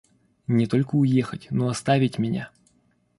Не только уехать, но оставить меня.